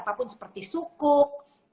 apapun seperti sukuk